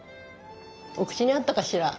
お口に合ったかしら？